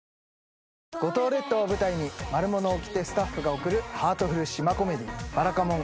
五島列島を舞台に『マルモのおきて』スタッフが送るハートフル島コメディー『ばらかもん』